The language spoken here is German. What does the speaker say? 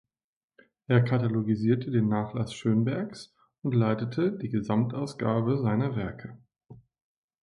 Er katalogisierte den Nachlass Schönbergs und leitete die Gesamtausgabe seiner Werke.